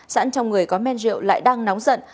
sẵn trong người có men rượu lại đang nóng giận